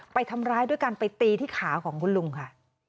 ไปทำร้ายด้วยการไปตีที่ขาของคุณลุงค่ะ